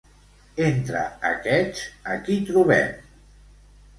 Entre aquests, a qui trobem?